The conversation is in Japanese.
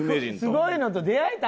すごいのと出会えたんだよと。